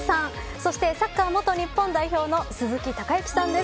そして、サッカー元日本代表の鈴木隆行さんです。